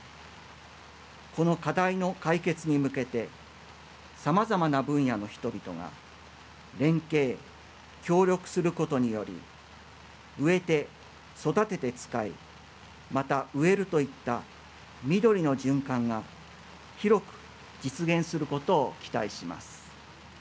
この課題の解決に向けてさまざまな分野の人々が連携、協力することにより植えて、育てて使いまた植えるといった緑の循環が広く実現することを期待します。